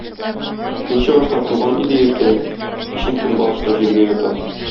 Көнчыгышта туган иде иртән, кичен көнбатышта җиргә ята.